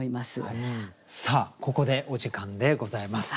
さあここでお時間でございます。